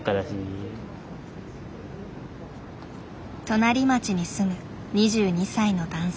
隣町に住む２２歳の男性。